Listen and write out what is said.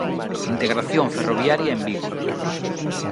Integración ferroviaria en Vigo".